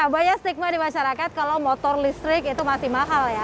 banyak stigma di masyarakat kalau motor listrik itu masih mahal ya